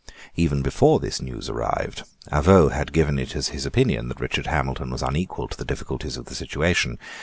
Even before this news arrived, Avaux had given it as his opinion that Richard Hamilton was unequal to the difficulties of the situation.